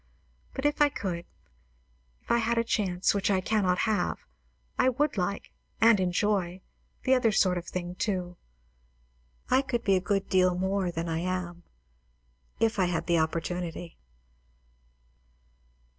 But if I could, if I had a chance, which I cannot have, I would like, and enjoy, the other sort of thing too. I could be a good deal more than I am, if I had the opportunity.